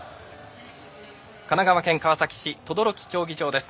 神奈川県川崎市等々力競技場です。